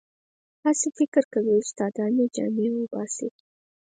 هسې فکر کوي استادان یې جامې وباسي.